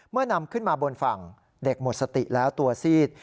นำขึ้นมาบนฝั่งเด็กหมดสติแล้วตัวซีด